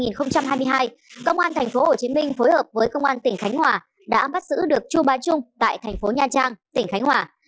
năm một nghìn chín trăm hai mươi hai công an tp hcm phối hợp với công an tỉnh khánh hòa đã bắt giữ được chu bá trung tại tp nha trang tỉnh khánh hòa